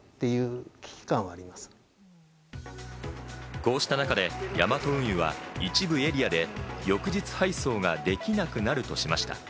こうした中でヤマト運輸は一部エリアで翌日配送ができなくなるとしました。